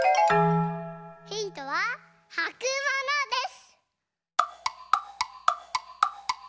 ヒントははくものです！